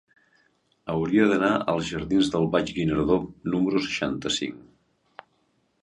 Hauria d'anar als jardins del Baix Guinardó número seixanta-cinc.